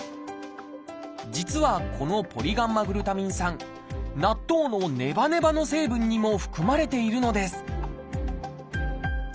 実はこのポリガンマグルタミン酸納豆のネバネバの成分にも含まれているのです